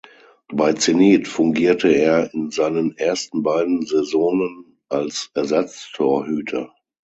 Bei Zenit fungierte er in seinen ersten beiden Saisonen als Ersatztorhüter.